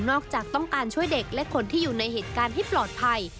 จากต้องการช่วยเด็กและคนที่อยู่ในเหตุการณ์ให้ปลอดภัย